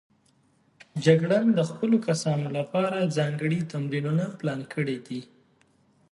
جګړن د خپلو کسانو لپاره ځانګړي تمرینونه پلان کړي دي.